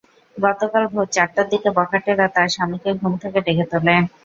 গতকাল ভোর চারটার দিকে বখাটেরা তাঁর স্বামীকে ঘুম থেকে ডেকে তোলে।